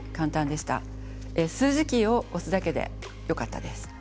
数字キーを押すだけでよかったです。